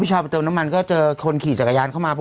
ชาวไปเติมน้ำมันก็เจอคนขี่จักรยานเข้ามา